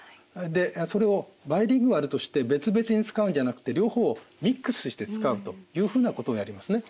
それをバイリンガルとして別々に使うんじゃなくて両方をミックスして使うというふうなことをやりますね。